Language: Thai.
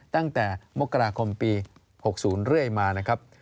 ตั้งแต่มกราคมปี๖๐เรื่อยมานะครับ